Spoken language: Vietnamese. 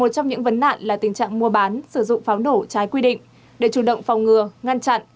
tình trạng vấn nạn là tình trạng mua bán sử dụng pháo nổ trái quy định để chủ động phòng ngừa ngăn chặn